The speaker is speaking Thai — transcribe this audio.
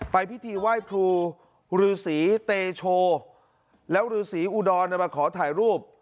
ไปพิธีไหว้ครูฤษีเตโชแล้วฤษีอุดรมาขอถ่ายรูป